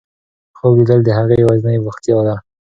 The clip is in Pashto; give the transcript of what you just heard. خوب لیدل د هغې یوازینۍ بوختیا وه.